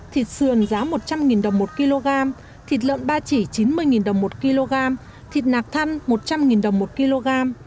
thịt sườn giá một trăm linh đồng một kg thịt lợn ba chỉ chín mươi đồng một kg thịt nạc thăn một trăm linh đồng một kg